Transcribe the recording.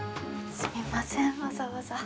すみませんわざわざ